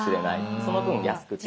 その分安く提供。